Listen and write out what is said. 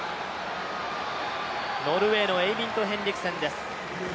ノルウェーのエイビンド・ヘンリクセンです。